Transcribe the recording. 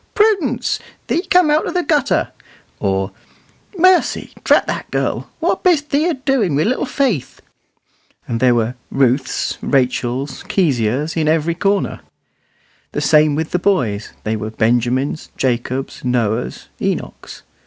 Prudence! thee cum' out o' the gutter;" or, "Mercy! drat the girl, what bist thee a doin' wi' little Faith?" and there were Ruths, Rachels, Keziahs, in every corner. The same with the boys: they were Benjamins, Jacobs, Noahs, Enochs.